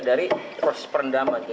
dari proses perendaman